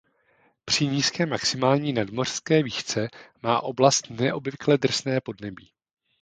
Při nízké maximální nadmořské výšce má oblast neobvykle drsné podnebí.